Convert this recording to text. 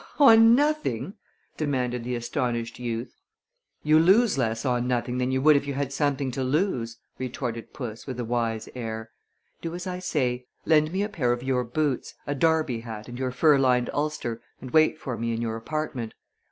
"On nothing?" demanded the astonished youth. "You lose less on nothing than you would if you had something to lose," retorted puss, with a wise air. "Do as I say. Lend me a pair of your boots, a derby hat, and your fur lined ulster, and wait for me in your apartment.